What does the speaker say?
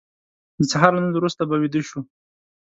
د سهار لمونځ وروسته به ویده شو.